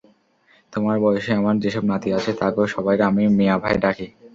তোমার বয়সী আমার যেসব নাতি আছে, তাগো সবাইরে আমি মিয়াভাই ডাকি।